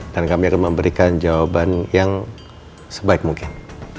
dan kami akan memberikan jawaban yang sebaik mungkin